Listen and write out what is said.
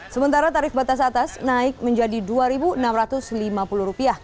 sementara tarif batas atas naik menjadi rp dua enam ratus lima puluh